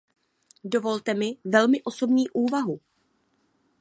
Dovolte mi velmi osobní úvahu.